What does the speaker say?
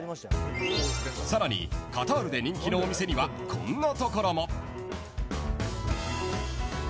さらにカタールで人気のお店にはこんな所も。